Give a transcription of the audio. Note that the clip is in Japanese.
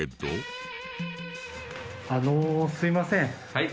あのすいません。